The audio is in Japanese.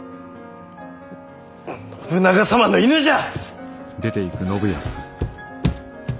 信長様の犬じゃ！